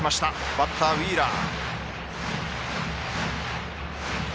バッターウィーラー。